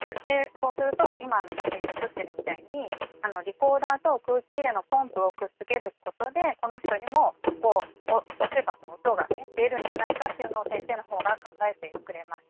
そうすると今写真に写ってるみたいにリコーダーと空気入れのポンプをくっつけることでこの人にも押せば音が出るんじゃないかっていうのを先生の方が考えてくれました。